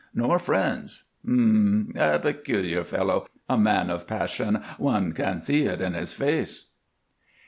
"Nor friends." "Um m! A peculiar fellow. A man of passion one can see it in his face."